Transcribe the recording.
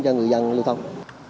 cho người dân lưu thông